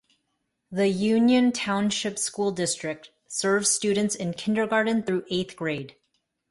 The Union Township School District serves students in kindergarten through eighth grade.